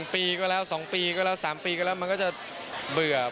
ปีก็แล้ว๒ปีก็แล้ว๓ปีก็แล้วมันก็จะเบื่อ